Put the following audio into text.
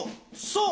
そう。